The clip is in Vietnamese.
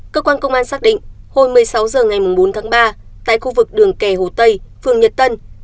cơ quan công an xác định hồi một mươi sáu h ngày bốn tháng ba tại khu vực đường kè hồ tây phường nhật tân